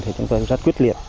thì chúng tôi rất quyết liệt